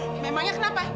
nek emangnya kenapa